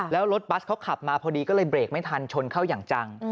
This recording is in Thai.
แล้วรถบัสเขาขับมาพอดีก็เลยเบรกไม่ทันชนเข้าอย่างจัง